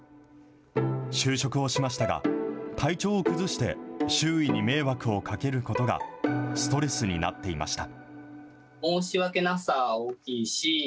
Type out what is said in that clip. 就職をしましたが、体調を崩して周囲に迷惑をかけることがストレスになっていました。